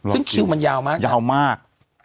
ซึ่งคิวมันยาวมาก